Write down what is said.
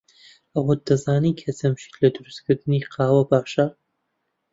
ئەوەت دەزانی کە جەمشید لە دروستکردنی قاوە باشە؟